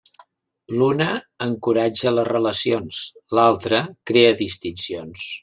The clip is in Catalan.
L'una encoratja les relacions, l'altre crea distincions.